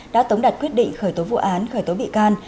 đã tống đặt quyết định khởi tố vụ án khởi tố bị can